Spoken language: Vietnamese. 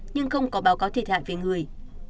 nhưng không có báo cáo thiệt hại về người